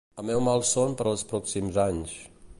El meu malson per als pròxims anys...